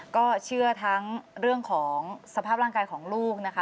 ก็เชื่อทั้งเรื่องของสภาพร่างกายของลูกนะคะ